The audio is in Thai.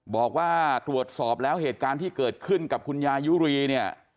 บอกว่าตรวจสอบแล้วเหตุการณ์ที่เกิดขึ้นกับคุณยายุรีเนี่ย